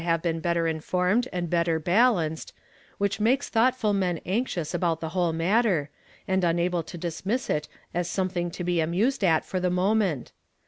find in ive been better informed and better balanced, which makes thoughtful men anxious about the whole matter, and unable to dismiss it as something to be amused at for the moment.